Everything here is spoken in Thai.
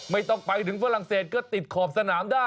ไม่ต้องไปถึงฝรั่งเศสก็ติดขอบสนามได้